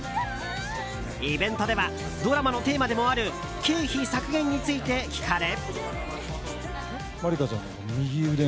イベントではドラマのテーマでもある経費削減について聞かれ。